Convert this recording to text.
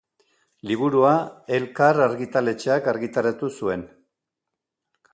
Liburua Elkar argitaletxeak argitaratu zuen.